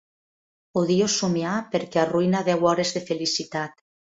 Odio somiar perquè arruïna deu hores de felicitat.